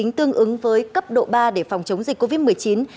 hành chính tương ứng với cấp độ ba để phòng chống dịch covid một mươi chín